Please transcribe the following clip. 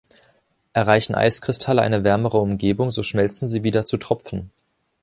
Erreichen Eiskristalle eine wärmere Umgebung, so schmelzen sie wieder zu Tropfen.